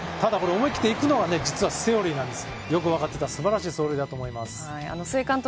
思い切っていくのは、実はセオリーなんです。